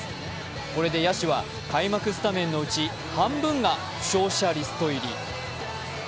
これで野手は開幕スタメンのうち半分が負傷者リスト入り。